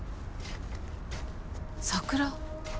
桜？